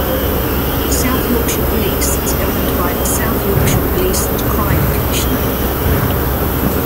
South Yorkshire Police is governed by the South Yorkshire Police and Crime Commissioner.